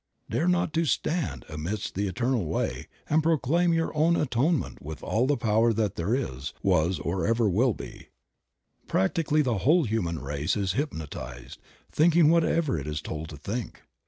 Dare to "Stand amidst the eternal way" and proclaim your own Atonement with all the power that there is, was, or ever will be. Practically the whole human race is hypnotized, thinking whatever it is told to think.